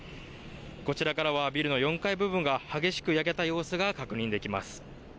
こちらからはビルの４階部分が激しく焼けた様子が確認できます。